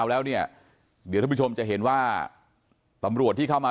แล้วเห็นว่าตำรวจที่เข้ามา